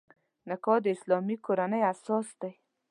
نکاح د اسلامي کورنۍ اساس دی.